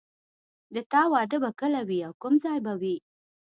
د تا واده به کله وي او کوم ځای به وي